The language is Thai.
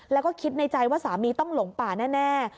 แล้วก็คิดในใจว่าสามีต้องหลงป่าแน่